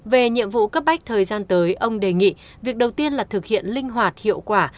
về nhiệm vụ cấp bách thời gian tới ông đề nghị việc đầu tiên là thực hiện linh hoạt hiệu quả